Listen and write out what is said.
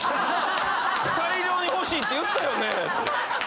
大量に欲しいって言ったよね